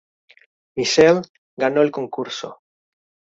Michelle ganó el concurso.